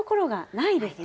ないですね。